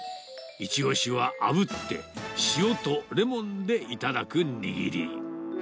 一押しはあぶって、塩とレモンで頂く握り。